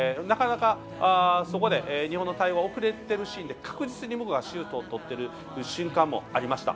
そこで日本の対応が遅れてるシーンで確実に向こうがシュートを取っている場面もありました。